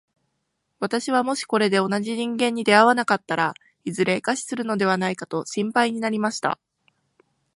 私はもしこれで同じ人間に出会わなかったら、いずれ餓死するのではないかと心配になりました。